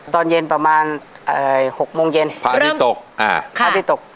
ตอนเย็นประมาณเอ่อหกโมงเย็นพระอาทิตย์ตกอ่าพระอาทิตย์ตก